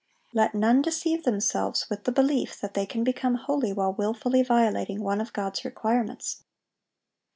Let none deceive themselves with the belief that they can become holy while wilfully violating one of God's requirements.